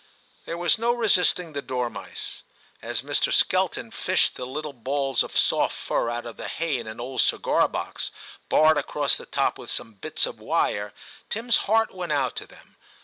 There was no resisting the dormice. As Mr. Skelton fished the little balls of soft fur out of the hay in an old cigar box, barred across the top with some bits of wire, Tim's heart went out to them.